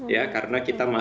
ya karena kita masih